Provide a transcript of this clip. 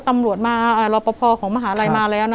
ตำรวจมารอปภของมหาลัยมาแล้วนะ